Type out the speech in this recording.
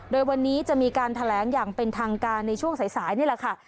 โดยวันนี้จะมีการแถลงอย่างเป็นทางการในช่วงสายนี่แหละค่ะ